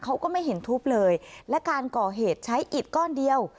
เขาก็ไม่เห็นทุบเลยและการก่อเหตุใช้อิดก้อนเดียว